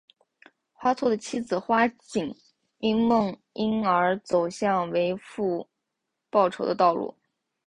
花错的妻子花景因梦因而走向为夫复仇的道路。